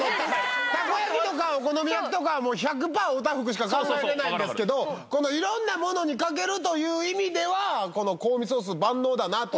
たこ焼きとかお好み焼きとかは１００パーオタフクしか考えられないんですけどこの色んなものにかけるという意味ではこのコーミソース万能だなと。